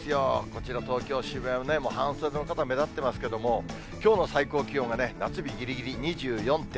こちら、東京・渋谷も、半袖の方、目立ってますけれども、きょうの最高気温がね、夏日ぎりぎり、２４．９度。